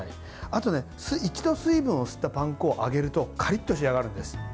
あと、一度水分を吸ったパン粉を揚げるとカリッとしあがるんです。